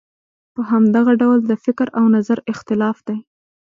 په همدغه ډول د فکر او نظر اختلاف دی.